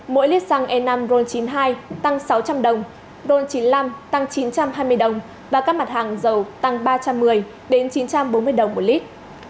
mỗi lít xăng e năm ron chín mươi hai tăng sáu trăm linh đồng ron chín mươi năm tăng chín trăm hai mươi đồng và các mặt hàng dầu tăng ba trăm một mươi đến chín trăm bốn mươi đồng một lít